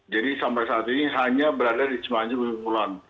jadi sampai saat ini hanya berada di semenanjung ujung kulon